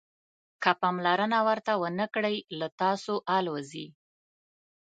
که پاملرنه ورته ونه کړئ له تاسو الوزي.